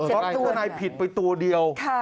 ก๊อฟทัศนัยผิดไปตัวเดียว